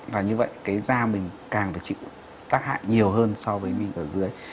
và như vậy cái da mình càng phải chịu tác hại nhiều hơn so với mình ở dưới